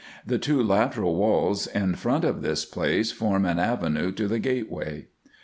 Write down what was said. The two lateral walls in front of this place form an avenue to the gateway.